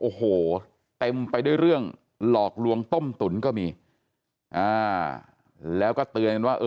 โอ้โหเต็มไปด้วยเรื่องหลอกลวงต้มตุ๋นก็มีแล้วก็เตือนกันว่า